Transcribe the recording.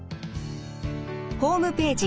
ホームページ